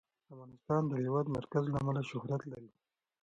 افغانستان د د هېواد مرکز له امله شهرت لري.